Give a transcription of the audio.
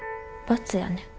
罰やねん。